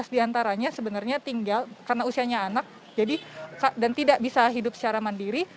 lima belas diantaranya sebenarnya tinggal karena usianya anak dan tidak bisa hidup secara mandiri